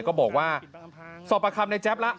ก็บอกว่าสอบประคำในแจ๊บแล้ว